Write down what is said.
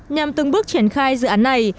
nhằm từng bước triển khai dự án này